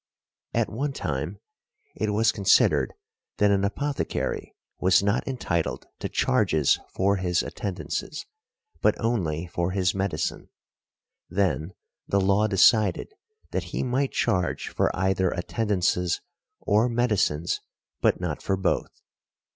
At one time it was considered that an apothecary was not entitled to charges for his attendances, but only for his medicine: then the law decided that he might charge for either attendances or medicines, but not for both.